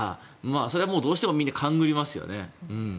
それはどうしてもみんな勘繰りますよね。